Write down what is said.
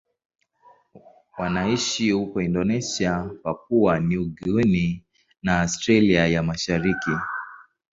Wanaishi huko Indonesia, Papua New Guinea na Australia ya Mashariki.